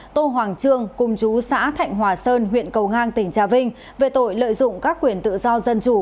tô hoàng trương cung chú xã thạnh hòa sơn huyện cầu ngang tỉnh trà vinh về tội lợi dụng các quyền tự do dân chủ